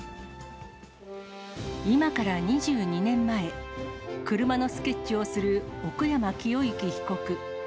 今から２２年前、車のスケッチをする奥山清行被告。